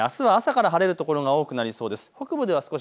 あすは朝から晴れる所が多くなりそうです。